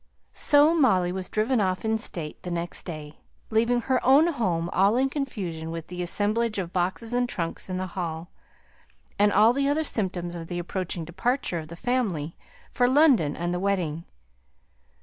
So Molly was driven off in state the next day, leaving her own home all in confusion with the assemblage of boxes and trunks in the hall, and all the other symptoms of the approaching departure of the family for London and the wedding.